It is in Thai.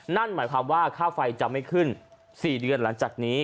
นั่นหมายความว่าค่าไฟจะไม่ขึ้น๔เดือนหลังจากนี้